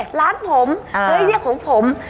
เฮ้ยเนี้ยของผม